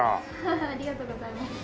アハハありがとうございます。